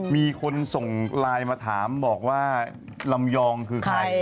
มีคนส่งไลน์มาถามบอกว่าลำยองคือใคร